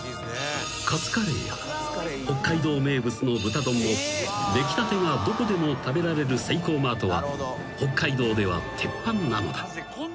［カツカレーや北海道名物の豚丼も出来たてがどこでも食べられるセイコーマートは北海道では鉄板なのだ］